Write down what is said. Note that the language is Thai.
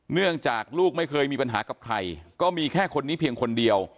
เนื่องจากลูกไม่เคยมีปัญหากับใครก็มีแค่คนนี้เพียงคนเดียว